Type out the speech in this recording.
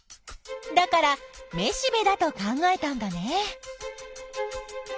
だからめしべだと考えたんだね。